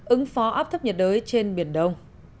ứng phó áp thấp nhiệt đới trên biển đông